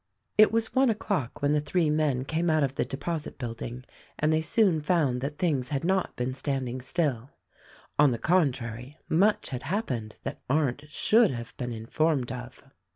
It was one o'clock when the three men came out of the Deposit Building, and they soon found that things had not been standing still ; on the contrary, much had happened that Arndt should have been informed of.